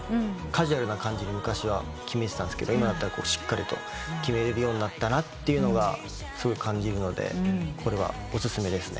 カジュアルな感じで昔は決めてたんですけど今だったらしっかりと決められるようになったなとすごい感じるのでこれはお薦めですね。